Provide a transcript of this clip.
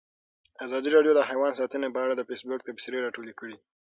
ازادي راډیو د حیوان ساتنه په اړه د فیسبوک تبصرې راټولې کړي.